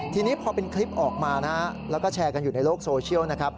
ทีนี้พอเป็นคลิปออกมานะฮะแล้วก็แชร์กันอยู่ในโลกโซเชียลนะครับ